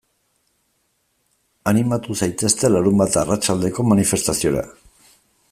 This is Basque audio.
Animatu zaitezte larunbat arratsaldeko manifestaziora.